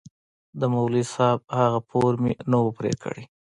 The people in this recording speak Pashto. د مولوي صاحب هغه پور مې نه و پرې كړى.